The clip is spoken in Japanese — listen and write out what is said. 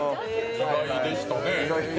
意外でしたね。